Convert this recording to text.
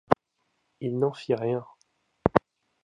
Il n’en fit rien.